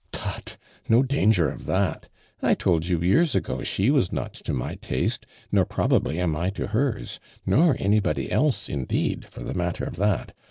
"Tut ! So danger of that ! I told you years ago she was not to my taste, nor |)roV)ably am I to liers, nor anybody else indeed, for the matter of that.